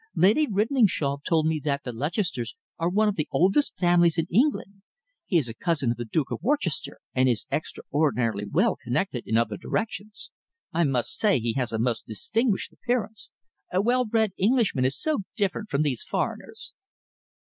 Lady Ridlingshawe told me that the Lutchesters are one of the oldest families in England. He is a cousin of the Duke of Worcester, and is extraordinarily well connected in other directions. I must say he has a most distinguished appearance. A well bred Englishman is so different from these foreigners."